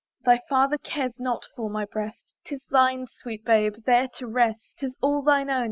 Thy father cares not for my breast, 'Tis thine, sweet baby, there to rest: 'Tis all thine own!